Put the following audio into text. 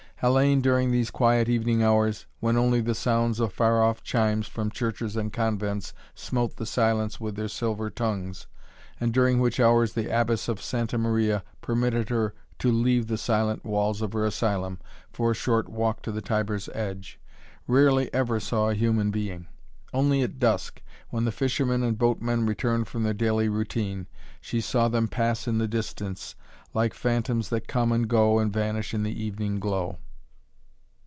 Hellayne, during these quiet evening hours, when only the sounds of far off chimes from churches and convents smote the silence with their silver tongues, and during which hours the Abbess of Santa Maria permitted her to leave the silent walls of her asylum for a short walk to the Tiber's edge, rarely ever saw a human being. Only at dusk, when the fishermen and boatmen returned from their daily routine, she saw them pass in the distance, like phantoms that come and go and vanish in the evening glow.